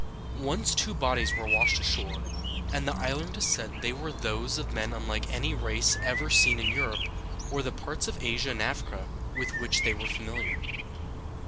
Once two bodies were washed ashore, and the islanders said they were those of men unlike any race ever seen in Europe or the parts of Asia and Africa with which they were familiar.